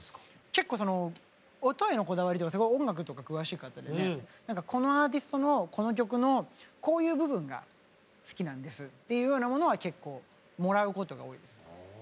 結構その音へのこだわりとか音楽とか詳しい方でね何か「このアーティストのこの曲のこういう部分が好きなんです」っていうようなものは結構もらうことが多いですね。